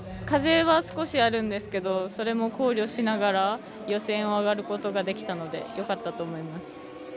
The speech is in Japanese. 風は少しあるんですけどそれも考慮しながら予選を上がることができたのでよかったと思います。